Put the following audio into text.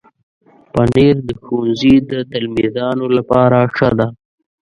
پنېر د ښوونځي د تلمیذانو لپاره ښه ده.